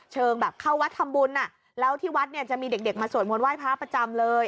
เชิงแบบเข้าวัดธรรมบุญน่ะแล้วที่วัดเนี่ยจะมีเด็กมาสวดมวลไหว้พระพระประจำเลย